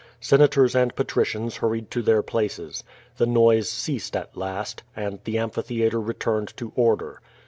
Senators and patricians hurried to their places. The noise ceased at last, and the amphi theatre returned to order.